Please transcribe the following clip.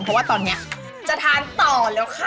เพราะว่าตอนนี้จะทานต่อแล้วค่ะ